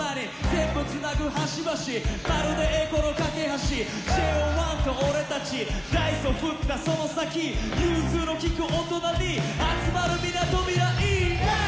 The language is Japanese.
「全部つなぐ端々まるで栄光の架橋」「ＪＯ１と俺たちダイスを振ったその先」「ゆうずうの利く大人に集まるみなとみらい」イェイ！